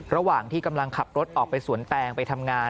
ระหว่างที่กำลังขับรถออกไปสวนแตงไปทำงาน